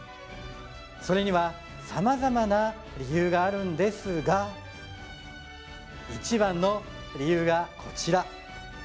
それには様々な理由があるんですが一番の理由がこちら